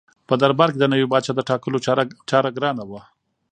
په دربار کې د نوي پاچا د ټاکلو چاره ګرانه وه.